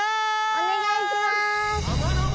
お願いします！